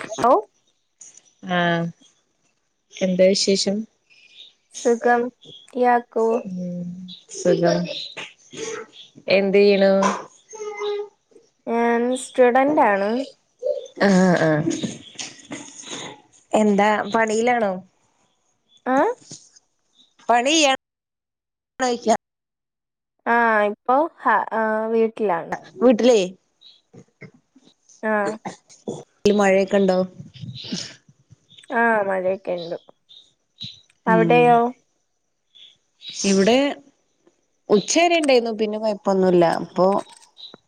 Hello ആഹ് എന്താ വിശേഷം സുഖം ഇയാക്കൊ ഉം സുഖം എന്ത് ചെയ്‌ണു ഞാൻ സ്റ്റുഡന്റ് ആണ് ആഹ് ആഹ് എന്താ പണിയിലാണോ ആഹ് പണി ചെയ്‌യുവാ [unintelligible] ആഹ് ഇപ്പോ ഹ ആ വീട്ടിലാണ് വിട്ടിലേ ആഹ് നാട്ടില് മഴയൊക്കെ ഇണ്ടോ ആഹ് മഴയൊക്കെ ഇണ്ട് ഉം ഇവിടെ ഉച്ചവരെ ഇണ്ടായിരുന്നു പിന്നെ കൊയപ്പൊന്നുല്ല അപ്പൊ-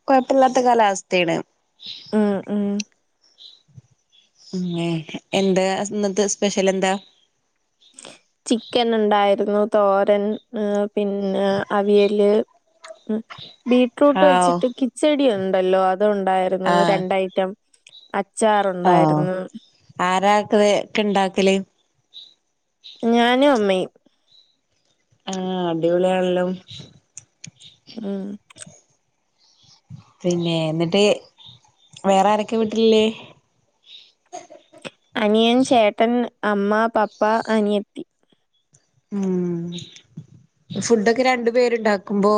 കൊയപ്പില്ലാത്ത കാലാവസ്ഥയാണ് ആഹ് ആഹ് ഉംഎന്താ ഇന്നത്തെ സ്പെഷ്യൽ എന്താ ചിക്കൻ ഒണ്ടായിരുന്നു തോരൻ പിന്നെ അവിയല് ബീറ്റ്റൂട്ട് ഹാവൂ വെച്ചിട്ട് കി - കിച്ചടി ഒണ്ടല്ലോ അത് ഒണ്ടായിരുന്നു ആഹ് രണ്ടയിറ്റം അച്ചാറുണ്ടായിരുന്നു ആരാ ഇതൊക്കെ ഇണ്ടാക്കല് ഞാനും അമ്മയും ആഹ് അടിപൊളിയണല്ലോ ഉം പിന്നെ എന്നിട്ട് വേറെ ആരൊക്കെയാ വീട്ടിലുള്ളെ അനിയൻ ചേട്ടൻ അമ്മ പപ്പ അനിയത്തി ഉം ഫുഡൊക്കെ രണ്ടു പേരുണ്ടാക്കുമ്പോ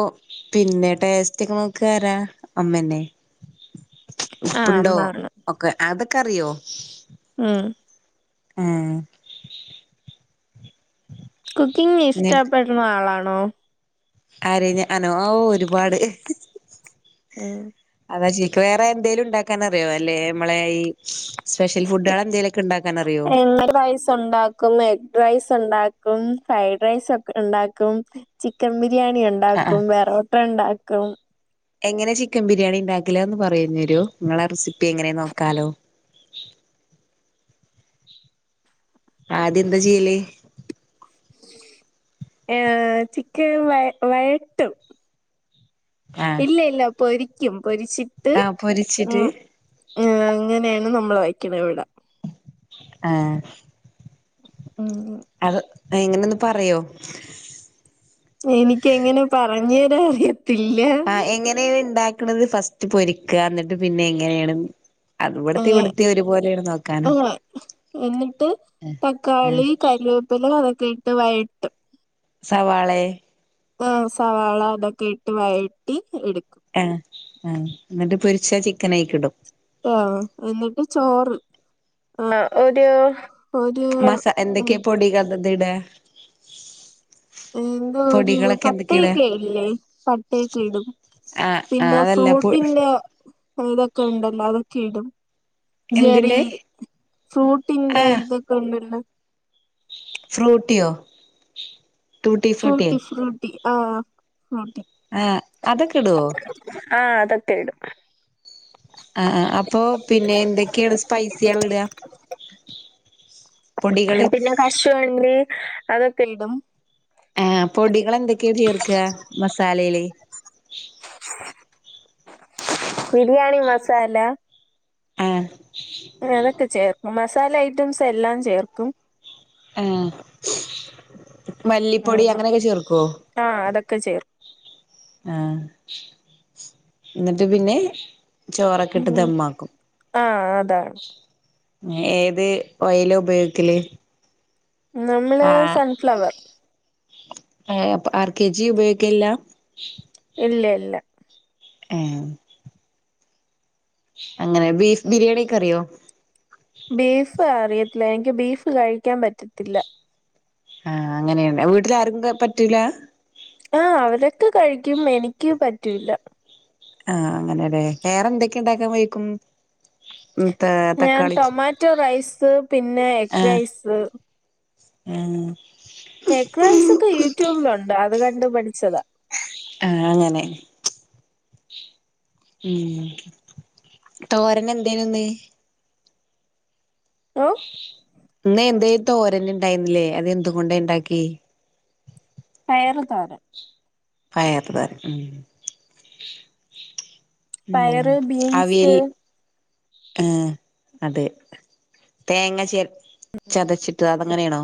പിന്നെ ടേസ്റ്റ് ഒക്കെ നോക്ക് ആരാ അമ്മ തന്നെ ആ ഉപ്പ്‌ ഉണ്ടോ അമ്മ ആണ് ഒക്കെ അതൊക്കെ അറിയോ ഉം ഏഹ്. കുക്കിംഗ് ഇഷ്ടപ്പെടുന്ന ആളാണോ ആര് ഞാനോ ഓഹ് ഒരുപാട് ഉം അതാ ചേച്ചിക്ക് വേറെ എന്തേലും ഉണ്ടാക്കാൻ അറിയോ അല്ലേ നമ്മളെ ഈ സ്പെഷ്യൽ ഫുഡുകൾ എന്തേലും- എങ്ങളെ വയസ് [unintelligible] ഒണ്ടാക്കും എഗ് റൈസ് ഒണ്ടാക്കും ഫ്രൈഡ് റൈസ് ഒക്കെ ഒണ്ടാക്കും ചിക്കൻ ബിരിയാണി ആഹ് ഇണ്ടാക്കും പെറോട്ട ഉണ്ടാക്കും എങ്ങനെയാ ചിക്കൻ ബിരിയാണി ഉണ്ടാക്കല് അത് ഒന്ന് പറഞ്ഞരോ നിങ്ങളെ റെസിപ്പി എങ്ങനെയാന്ന് നോക്കാലോ ആദ്യം എന്താ ചെയ്യല് ഏഹ് ചിക്കൻ വയ വയട്ടും ആഹ് ഇല്ല ഇല്ല പൊരിക്കും പൊരിച്ചിട്ട് ആഹ് ഉം പൊരിച്ചിട്ട് ആഹ് അങ്ങനെയാണ് നമ്മൾ വയ്ക്കണെ ഇവിടെ ആഹ് ഉം അത് എങ്ങനെയാ ഒന്ന് പറയോ? എനിക്ക് അങ്ങനെ പറഞ്ഞ് തരാൻ അറിയത്തില്ല എങ്ങനെയാണ് ഉണ്ടാക്കണത് ഫസ്റ്റ് പൊരിക്കുക എന്നിട്ട് പിന്നെ എങ്ങനെയാണ് അവിടുത്തെ ഏഹ് ഇവിടുത്തെ ഒരുപോലെയാണോന്ന് നോക്കാലോ ആഹ് എന്നിട്ട് ആഹ് തക്കാളി കറി വേപ്പില അതൊക്കെ ഇട്ട് വയട്ടും സവാളെയെ ആഹ് സവാള അതൊക്കെ ഇട്ട് വഴറ്റി എടുക്കും ഏഹ് ഏഹ് എന്നിട്ട് പൊരിച്ച ചിക്കനയിക്കിടും ആഹ് എന്നിട്ട് ചോറ് ആഹ് ഒരു ഒരു മസാ ഉം എന്തൊക്കെയാ പൊടികളൊക്കെ ഇടാ എന്തോ ഒരു പൊടികളൊക്കെ എന്തൊക്കെയാ ഇടാ പട്ടയൊക്ക ഇല്ലേ പട്ടയൊക്കെ ഇടും ആഹ് ആഹ് പിന്നെ അതല്ല പൊ ഫ്രൂട്ടിന്റെ ഇതൊക്കെ ഉണ്ടല്ലോ അതൊക്കെ ഇടും ജെറി എന്തിന്റെ ഫ്രൂട്ടിന്റെ ആഹ് ഇതൊ ക്കെ ഉണ്ടല്ലോ ഫ്രൂട്ടിയോ ടൂട്ടി ഫ്രൂട്ടിയോ ഫ്രൂട്ടി ഫ്രൂട്ടി ആഹ് ഫ്രൂട്ടി ഏഹ് അതൊക്കെ ഇടുവോ? ആഹ് അതൊക്കെ ഇടും. ആഹ് ആഹ് അപ്പൊ പിന്നെ എന്തൊക്കെയാണ് സ് പൈസികളിടുകാ പിന്നെ കശുവണ്ടി അതൊക്കെ ഇടും ആഹ് പൊടികളെന്തൊക്കെയാ ചേർക്കുക മസാലയില് [inaudible] ബിരിയാണി മസാല ആഹ് അതൊക്കെ ചേർക്കും മസാല ഐറ്റംസ് എല്ലാം ചേർക്കും ആഹ് മല്ലിപ്പൊടി അങ്ങനെയൊക്കെ ചേർക്കുവോ ആഹ് അതൊക്കെ ചേർക്കും ആഹ് എന്നിട്ട് പിന്നെ? ചോറൊക്കെ ഇട്ട് ഉം ദമ്മാക്കും ആഹ് അതാണ് ഏത് ഓയില് ഉപയോഗിക്കല് നമ്മള് സൺഫ്ലവർ എ ആ അപ്പൊ ആർ കെ ജി ഉപയോഗിക്കില്ല ഇല്ലേ ഇല്ല ഉം അങ്ങനെ ബീഫ് ബിരിയാണിയൊക്കെ അറിയോ ബീഫ് അറിയത്തില്ല എനിക്ക് ബീഫ് കഴിക്കാൻ പറ്റത്തില്ല ആഹ് അങ്ങനെയല്ലേ വീട്ടില് ആർക്കൊക്കെ പറ്റൂല ആഹ് അവരൊക്കെ കഴിക്കും എനിക്ക് പറ്റൂല്ല ആഹ് അങ്ങനെയല്ലേ വേറെ എന്തൊക്കെ ഇണ്ടാക്കാൻ വഴിക്കും [unintelligible] ഞാൻ ടൊമാറ്റോ റൈസ് പിന്നെ എഗ് റൈസ് ഏഹ് ചെക്റൈസ് ഒക്കെ യൂട്യൂബിലുണ്ട് അത് കണ്ട് പഠിച്ചതാ ആഹ് അങ്ങനെ ഉം തോരന് എന്തേനു ഇന്ന് ഓ ഇന്ന് എന്തേ തോരന് ഇണ്ടായിന്നില്ലേ അത് എന്തുകൊണ്ടേ ഇണ്ടാക്കി പയർ തോരൻ പയർ തോരൻ ഉം ഉം പയറ് അവിൽ ബീൻസ് ആഹ് അതെ തേങ്ങ ച ചതച്ചിട്ട് അതെങ്ങനെയാണോ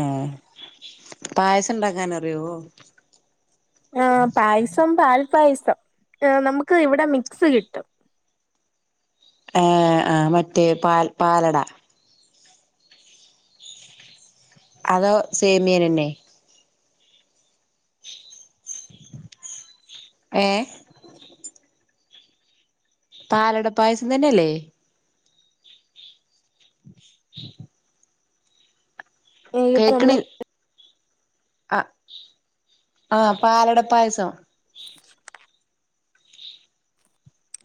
എ പായസം ണ്ടാക്കാൻ അറിയോ ആഹ് പായസം പാൽ പായസം നമുക്ക് ഇവിടെ മിക്സ് കിട്ടും ആഹ് ആഹ് മറ്റേ പാൽ പാലട അതോ സേമിയനന്നെ ഏഹ് പാലട പായസം തന്നെയല്ലേ ഈ ഇപ്പ കേൾക്കണ നമ്മള് ആഹ് ആഹ് പാലട പായസം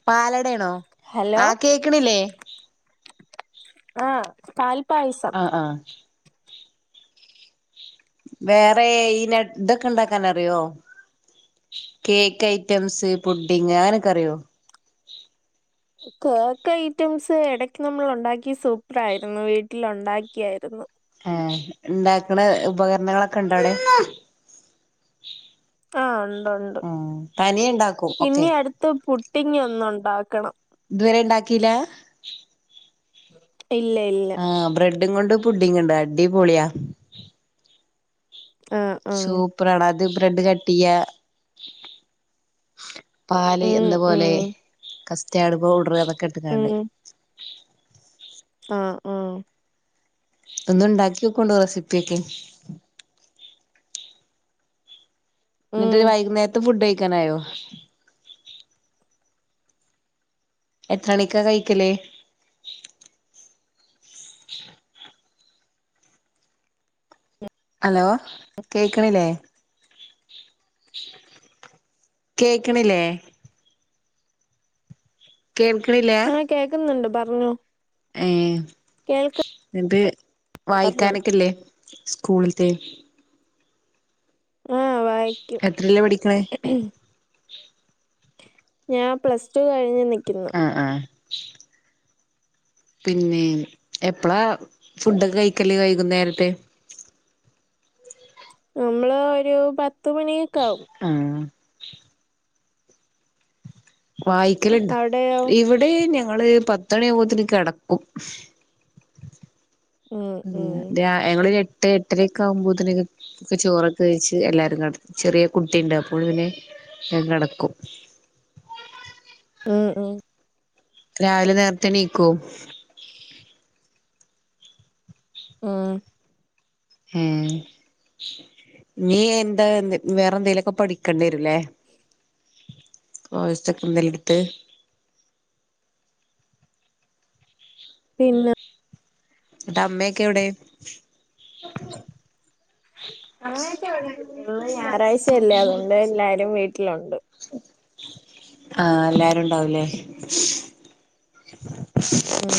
പാലടയാണോ ഹലോ ആ കേക്കണില്ലേ ആഹ് പാൽ ആ ആഹ് വേറെ എയിനെ ഇതൊക്കെ ഇണ്ടാക്കാൻ നറിയോ കേക്ക് ഐറ്റംസ് പുഡിങ് അങ്ങനെയൊക്കെ അറിയോ കേക്ക് ഐറ്റംസ് ഇടക്ക് നമ്മൾ ഉണ്ടാക്കി സൂപ്പർ ആയിരുന്നു വീട്ടിൽ ഉണ്ടാക്കിയായിരുന്നു ആഹ് ഇണ്ടാക്കണ ഉപകരണങ്ങളൊക്കെ ഉണ്ടോ അവിടെ ആഹ് ഉണ്ട് ഉണ്ട് ആഹ് തനിയെ ഇണ്ടാക്കും ഒക്കെ ഇനി അടുത്ത് പുട്ടിങ്ങ് ഒന്നുണ്ടാക്കണം ഇതുവരെ ഇണ്ടാക്കില്ല ഇല്ല ഇല്ല ആ ബ്രെഡും കൊണ്ട് പുഡിങ്ങ് ണ്ട് അടി പോളിയാ ആഹ് ആഹ് സൂപ്പറാടാ അത് ബ്രെഡ് കട്ടയ്യ പാൽ ഉം ഉം എന്നുപോലെ കസ്റ്റാഡ് പൌഡർ അതൊക്കെ ഇട്ക്കാണ്ട് ഉം ആഹ് ആഹ് ഒന്നും ഉണ്ടാക്കി നോകോണ്ടു റെസിപ്പിയ ഒക്കെ ന്നിട്ട് ഉം വൈകുന്നേരത്തെ ഫുഡ് കഴിക്കാനായോ എത്രണിക്കാ കഴിക്കലേ ഹലോ കേക്ക്ണില്ലേ കേക്ക്ണില്ലേ കേക്കിണില്ല കേക്ക്ന്ന്ണ്ട് പറഞ്ഞോ ഏ കേൾക്കുന്നുണ്ട് ന്നട്ട് പറഞ്ഞോ വായിക്കാനൊക്കെല്ലേ സ്കൂള്ത്തെ ആഹ് വായിക്കും. എത്രയിലാ പഠിക്കണേ ഞാൻ പ്ലസ് ടു കഴിഞ്ഞ് നിക്കുന്നു. ആ ആ- പിന്നെ എപ്പളാ ഫുഡൊക്കെ കഴിക്കല്ലേ വൈകുന്നേരത്തെ? നമ്മള് ഒരു പത്ത് മണിയക്ക ആവും. ആഹ് വായിക്കല്ണ്ടോ അവിടെയോ ഇവിടെ ഞങ്ങള് പത്തണിയവുമ്പോത്ത്ന്ന് കിടക്കും ഉം ഇവളരു എട്ട് എട്ടരക്കെ ആകുമ്പോത്തിന് ഒക്കെ ചോറൊക്കെ വഴച്ച് എല്ലരും കട ചെറിയ കുട്ടിയുണ്ട് അപ്പോഴ് പിന്നെ കിടക്കും. ഉം ഉം- രാവിലെ നേരത്തെ എണീക്കോ? ഉം ഉം നീ എന്താ വേറെന്തേലൊക്കെ പഠിക്ക പഠിക്കണ്ടി വരും വേ കോഴ് സൊക്ക എന്തേല്ലെടുത്ത്. പിന്നെ എന്നിട്ട് അമ്മയൊക്കെ എവിടെ? അമ്മയൊക്കെ ഇവിടെ ഇണ്ട് ഇന്ന് ഞായറാഴ്ചയല്ലേ അതുകൊണ്ട് എല്ലാരും വീട്ടിലുണ്ട്. ആഹ് എല്ലാരും ഉണ്ടാവൂലേ? ഉം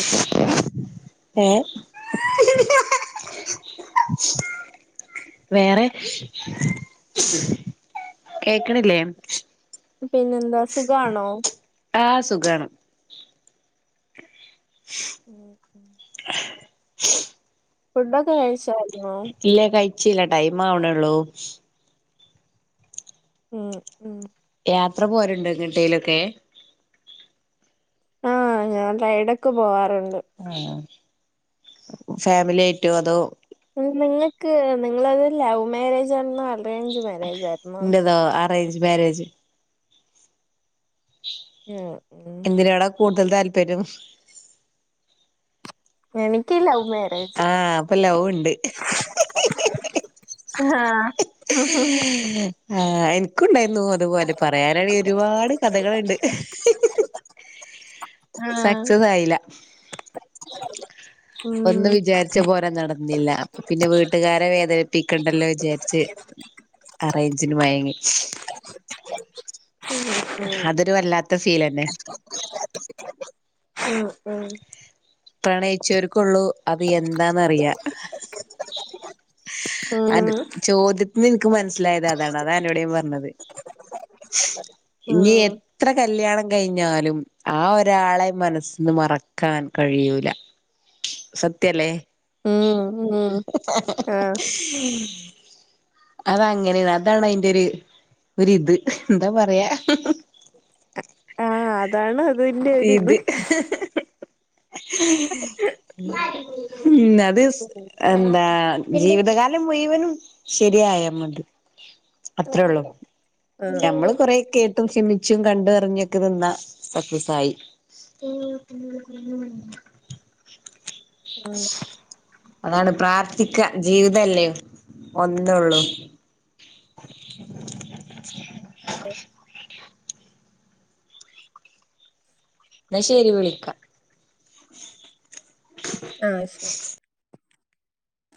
ഏ [inaudible] വേറെ കേക്ക്ണില്ലേ? പിന്നെന്താ സുഖണോ? ആഹ് സുഖാണ്. ഉം. ഫുഡൊഒക്കെ കഴിച്ചോ? ഇല്ല കഴിച്ചില്ല ടൈം ആവണൊള്ളൂ. മം ഉം. യാത്ര പോല്ണ്ടൊ എങ്ങട്ടയിലൊക്കെ? ആഹ് ഞാൻ റൈഡ് ഒക്കെ പോവാറുണ്ട്. ആഹ് ഫാമിലി ആയിട്ടോ അതോ നിങ്ങൾക്ക് നിങ്ങളത് ലവ് മാര്യേജ് ആയിരുന്നോ അറേഞ്ച് മാര്യേജ് ആയിരുന്നോ? Arrange marriage. ഉം ഉം ഏതിനോടാ കൂടുതൽ താല്പര്യം. എനിക്ക് ലവ് മാരേജ്. ആഹ് അപ്പൊ ലവ് ഉണ്ട് ആഹ് ആഹ് എനിക്കാണ്ടായിരുന്നു അതുപോലെ പറയാനാണെ ഒരുപാട് കഥകളുണ്ട് സക്സസ് ആയില്ല. ഉം ഒന്ന് വിചാരിച്ച പോലെ നടന്നില്ല അപ്പൊ പിന്നെ വീട്ടുകാരെ വേദനിപ്പിക്കണ്ടല്ലോ വിചാരിച്ച ച്ച്അറേഞ്ചിന് വയങ്ങി ഉം അതൊരു വല്ലാത്ത ഫീൽന്നെ അഹ് ആഹ് പ്രണയിച്ചവർക്കൊള്ളൂ അത് എന്താന്നറിയാ അൻ്റെ ചോദ്യത്തിന്ന് ഇൻക്ക് മനസ്സിലായത് അതാണ് അതാണ് അന്നോട് ഞാൻ പറഞ്ഞത് ഇനി ഉം എത്ര കല്യാണം കഴിഞ്ഞാലും ആ ഒരാളെ മനസ്സിന്ന് മറക്കാൻ കഴിയൂല സത്യല്ലേ? ഉം ഉം ഉം ഉ ആഹ് അത അങ്ങനെണ് അതാണ് അതിന്റെ ഒരു ഒരിത് എന്താ പറയാ ആഹ് അതാണ് അതി ഇത് ഉം. ഉം അത് സ് എന്താ ജീവിതകാലം മുഴുവനും ശരിയായാമതി അത്രേള്ളൂ ആ ഞമ്മള് കൊറെ കേട്ടും ഓക്കെ ചിന്തിച്ചും കണ്ടും അറിഞ്ഞൊക്കെന്നിന്നാ തായി ആഹ് അതാണ് പ്രാർത്ഥിക്ക ജീവിതല്ലേ ഒന്നൊള്ളൂ [inaudible] [inaudible] ന്നാ ശെരി വിളിക്കാ ആഹ് ശെരി